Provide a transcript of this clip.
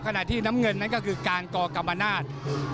ขณะที่น้ำเงินนั้นก็คือการก่อกรรมนาศ